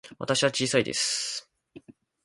私は小さいです。